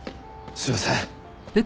すいません。